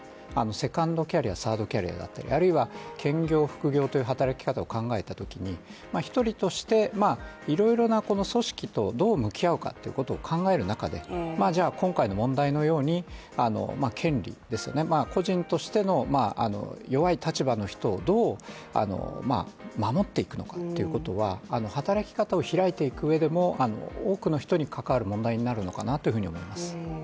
セカンドキャリア、サードキャリアだったりあるいは兼業・副業という働き方を考えたときに、一人としていろいろな組織とどう向き合うかということを考える中でじゃあ今回の問題のように権利ですよね、個人としての弱い立場の人をどう守っていくのかということは働き方を開いていくうえでも多くの人に関わる問題になるのかなと思います。